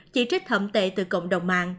chỉ trích thậm tệ từ cộng đồng mạng